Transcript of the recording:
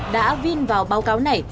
đã vin vào báo cáo này